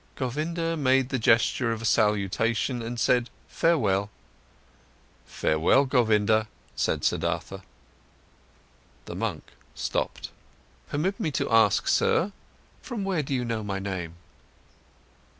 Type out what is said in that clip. Govinda made the gesture of a salutation and said: "Farewell." "Farewell, Govinda," said Siddhartha. The monk stopped. "Permit me to ask, sir, from where do you know my name?"